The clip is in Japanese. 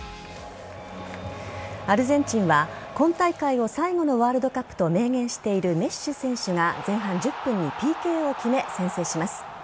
アルゼンチンは今大会を最後のワールドカップと明言しているメッシ選手が前半１０分にＰＫを決め先制します。